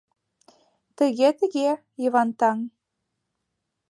Тыге, тыге, Йыван таҥ.